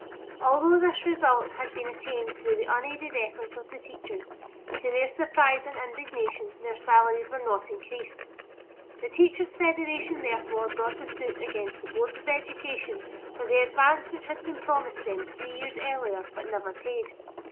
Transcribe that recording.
Although this result had been attained through the unaided efforts of the teachers, to their surprise and indignation their salaries were not increased. The Teachers' Federation, therefore, brought a suit against the Board of Education for the advance which had been promised them three years earlier but never paid.